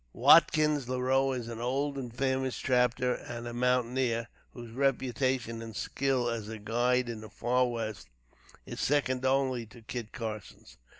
Watkins Leroux is an old and famous trapper and mountaineer, whose reputation and skill as a guide in the far West, is second only to Kit Carson's.